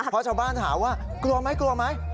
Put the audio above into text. พ่อชาวบ้านถามว่ากลัวไหม